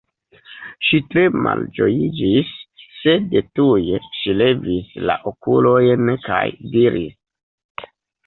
Ŝi tre malĝojiĝis, sed tuj ŝi levis la okulojn kaj diris: